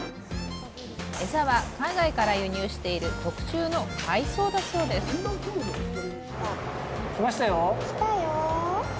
餌は海外から輸入している特注の海藻だそうです来ましたよ来たよ